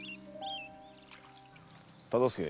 忠相。